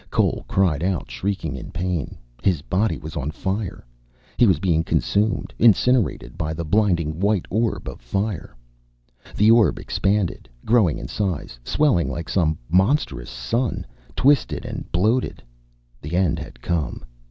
Cole cried out, shrieking in pain. His body was on fire. He was being consumed, incinerated by the blinding white orb of fire. The orb expanded, growing in size, swelling like some monstrous sun, twisted and bloated. The end had come.